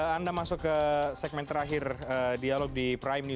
kita masuk ke segmen terakhir dialog di prime